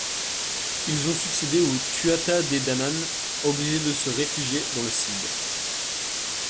Ils ont succédé aux Tuatha Dé Danann, obligés de se réfugier dans le Sidh.